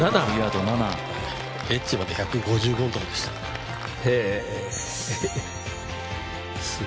エッジまで１５５です。